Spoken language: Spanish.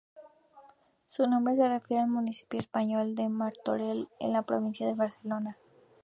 Su nombre se refiere al municipio español de Martorell, en la provincia de Barcelona.